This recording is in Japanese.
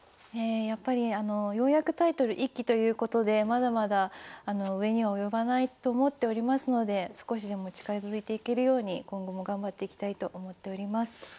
やっぱりようやくタイトル１期ということでまだまだ上には及ばないと思っておりますので少しでも近づいていけるように今後も頑張っていきたいと思っております。